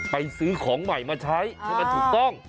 ซื้อของใหม่มาใช้ให้มันถูกต้อง